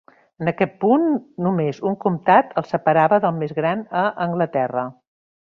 En aquest punt, només un comtat el separava del més gran a Anglaterra.